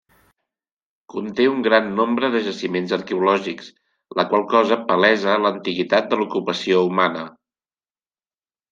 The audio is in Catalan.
Conté un gran nombre de jaciments arqueològics, la qual cosa palesa l'antiguitat de l'ocupació humana.